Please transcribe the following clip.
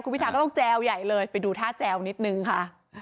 พิทาก็ต้องแจวใหญ่เลยไปดูท่าแจวนิดนึงค่ะ